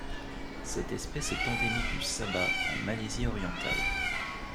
Cette espèce est endémique du Sabah en Malaisie orientale.